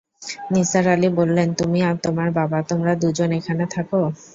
নিসার আলি বললেন, তুমি আর তোমার বাবা, তোমরা দু জন এখানে থাক?